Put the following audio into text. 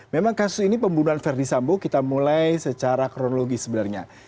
memang kasus ini pembunuhan verdi sambo kita mulai secara kronologi sebenarnya